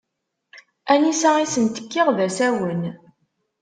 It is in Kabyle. Anisa i asent-kkiɣ d asawen.